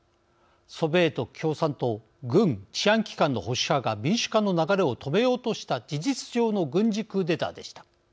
ソビエト共産党軍治安機関の保守派が民主化の流れを止めようとした事実上の軍事クーデターでした。